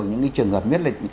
những cái trường hợp nhất là